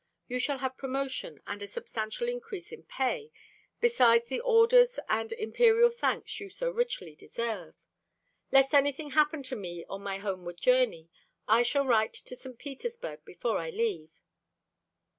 You shall have promotion and a substantial increase in pay, besides the orders and Imperial thanks you so richly deserve. Lest anything happen to me on my homeward journey, I shall write to St. Petersburg before I leave."